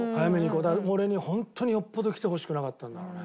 だから俺に本当によっぽど来てほしくなかったんだろうね。